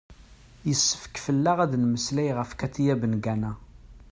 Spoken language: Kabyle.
yessefk fell-aɣ ad d-nemmeslay ɣef katia bengana